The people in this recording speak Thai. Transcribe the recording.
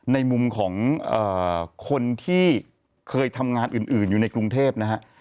ในมุมของคนที่เคยทำงานอื่นอยู่ในกรุงเทพนะฮะ